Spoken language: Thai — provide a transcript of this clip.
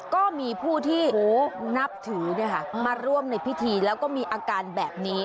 ก็มีผู้ที่นับถือมาร่วมในพิธีแล้วก็มีอาการแบบนี้